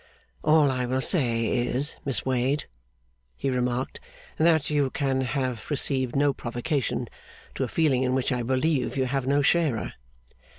'All I will say is, Miss Wade,' he remarked, 'that you can have received no provocation to a feeling in which I believe you have no sharer.